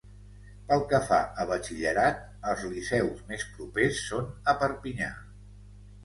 Pel que fa a batxillerat, els liceus més propers són a Perpinyà.